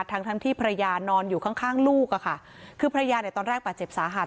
ทั้งทั้งที่ภรรยานอนอยู่ข้างข้างลูกอ่ะค่ะคือภรรยาเนี่ยตอนแรกบาดเจ็บสาหัส